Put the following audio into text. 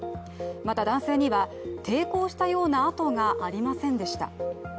また、男性には、抵抗したような痕がありませんでした。